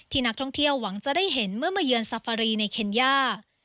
นักท่องเที่ยวหวังจะได้เห็นเมื่อมาเยือนซาฟารีในเคนย่า